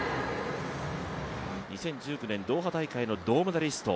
２０１９年ドーハ大会の銅メダリスト。